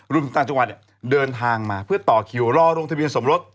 ต่างจังหวัดเนี่ยเดินทางมาเพื่อต่อคิวรอลงทะเบียนสมรส